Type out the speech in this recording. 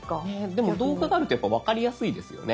でも動画があるとやっぱ分かりやすいですよね。